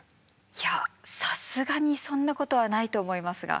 いやさすがにそんなことはないと思いますが。